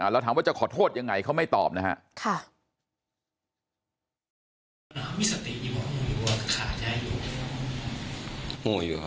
เราถามว่าจะขอโทษยังไงเขาไม่ตอบนะครับ